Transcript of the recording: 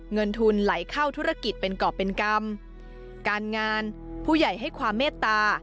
เงินทุนไหลเข้าธุรกิจเป็นกรอบเป็นกรรมการงานผู้ใหญ่ให้ความเมตตา